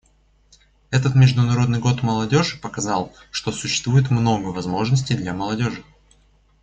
Этот Международный год молодежи показал, что существует много возможностей для молодежи.